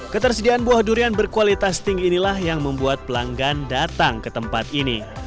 ketersediaan buah durian berkualitas tinggi inilah yang membuat pelanggan datang ke tempat ini